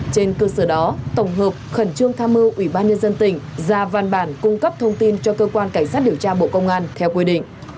trên cơ sở đó tổng hợp khẩn trương tham mưu ủy ban nhân dân tỉnh ra văn bản cung cấp thông tin cho cơ quan cảnh sát điều tra bộ công an theo quy định